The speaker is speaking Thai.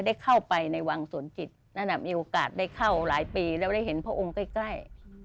ได้เข้าไปในวังสวนจิตนั่นมีโอกาสได้เข้าหลายปีแล้วได้เห็นพระองค์ใกล้